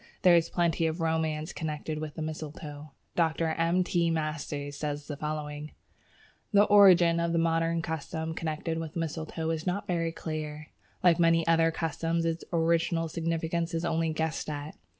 There is plenty of romance connected with the mistletoe. Dr. M. T. Masters says as follows: "The origin of the modern custom connected with mistletoe is not very clear. Like many other customs, its original significance is only guessed at.